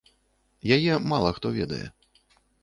Яе мала хто ведае.